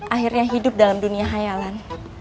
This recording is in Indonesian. akhirnya hidup dalam dunia hayalan